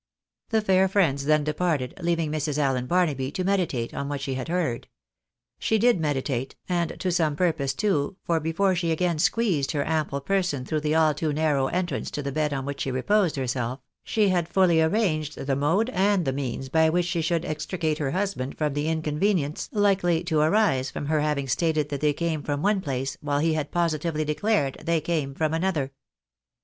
The fair friends then departed, leaving Mrs. Allen Barnaby to meditate on what she had heard. She did meditate, and to some purpose too, for before she again squeezed her ample person through the all too narrow entrance to the bed on which she reposed herself, she had fully arranged the mode and the means by which she should extricate her husband from the inconvenience likely to arise from her having stated that they came from one place, while he had as positively declared they came from another.